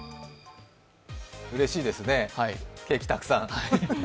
うれしいですね、ケーキたくさん。